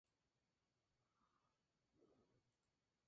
En el campo de la entomología, se especializó en Hymenoptera y Diptera.